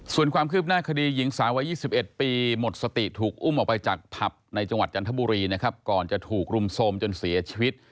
ส่วนความคืบหน้าคดีหญิงสาววัย๒๑ปีหมดสติถูกอุ้มออกไปจากผับในจังหวัดจันทบุรีนะครับก่อนจะถูกรุมโทรมจนเสียชีวิต